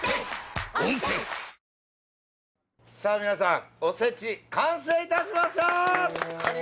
皆さんおせち完成いたしました！